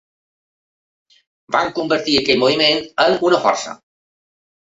Vam convertir aquell moviment en una força.